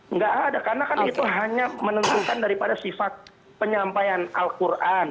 nggak ada karena kan itu hanya menentukan daripada sifat penyampaian al quran